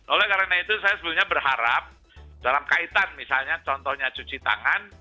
oleh karena itu saya sebenarnya berharap dalam kaitan misalnya contohnya cuci tangan